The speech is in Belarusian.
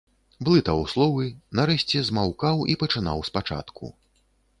Блытаў словы, нарэшце змаўкаў і пачынаў спачатку.